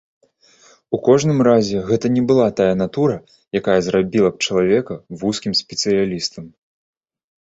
У кожным разе гэта не была тая натура, якая зрабіла б чалавека вузкім спецыялістам.